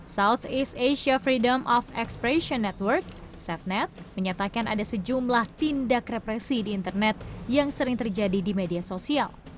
southeast asia freedom of expression network safenet menyatakan ada sejumlah tindak represi di internet yang sering terjadi di media sosial